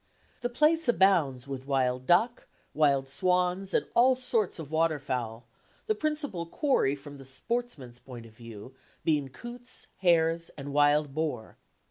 The place abounds with wild duck, wild swans and all sorts of water fowl, the principal quarry from the sportsman's point of view being coots, hares, and wild boar.